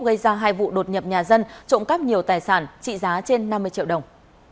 gây ra hai vụ đột nhập nhà dân trộm cắp nhiều tài sản trị giá trên năm mươi triệu đồng